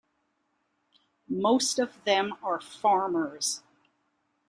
Most of them are farmers.